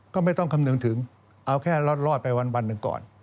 ก็ไม่ต้องคำนึงถึงเอาแค่รอดไปวันหนึ่งก่อน